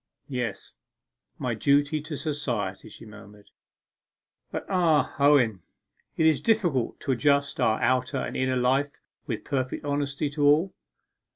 'Yes my duty to society,' she murmured. 'But ah, Owen, it is difficult to adjust our outer and inner life with perfect honesty to all!